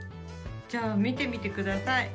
じゃあみてみてください。